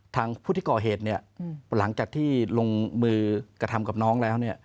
ทางผู้ที่ก่อเหตุหลังจากที่ลงมือกระทำกับน้องแล้ว